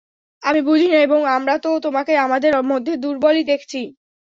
আমরা বুঝি না এবং আমরা তো তোমাকে আমাদের মধ্যে দুর্বলই দেখছি।